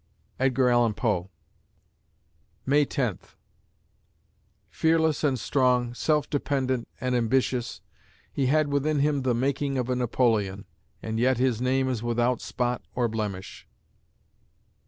EDGAR ALLAN POE May Tenth Fearless and strong, self dependent and ambitious, he had within him the making of a Napoleon, and yet his name is without spot or blemish.